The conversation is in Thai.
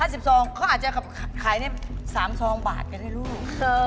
๕๐ซองเขาอาจจะขาย๓ซองบาทกันเลยลูก